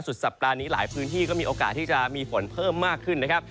สัปดาห์นี้หลายพื้นที่ก็มีโอกาสที่จะมีฝนเพิ่มมากขึ้นนะครับ